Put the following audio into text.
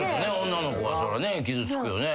女の子はそら傷つくよね。